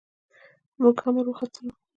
موږ هم ور وختلو.